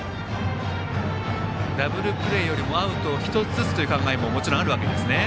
ダブルプレーよりもアウトを１つずつという考えもあるわけですね。